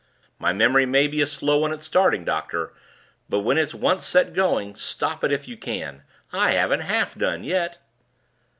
My memory may be a slow one at starting, doctor; but when it's once set going, stop it if you can! I haven't half done yet."